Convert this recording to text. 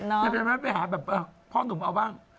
เก็บให้ไปหาแบบพ่อหนุ่มเอาบ้าง